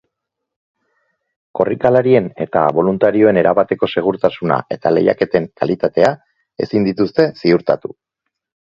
Korrikalarien eta boluntarioen erabateko segurtasuna eta lehiaketen kalitatea ezin dituzte ziurtatu.